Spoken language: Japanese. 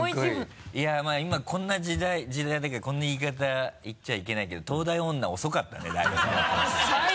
いやまぁ今こんな時代だからこんな言い方言っちゃいけないけど東大女遅かったねだいぶさ。